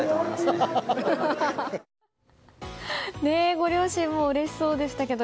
ご両親もうれしそうでしたけど